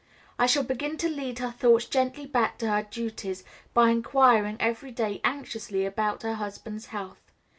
I shall begin to lead her thoughts gently back to her duties by inquiring every day anxiously after her husband's health.